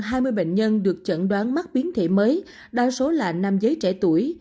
trong hai mươi bệnh nhân được chẩn đoán mắc biến thể mới đa số là nam giới trẻ tuổi